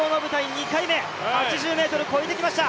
２回目８０ｍを超えてきました。